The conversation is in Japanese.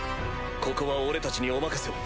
ここは俺たちにお任せを。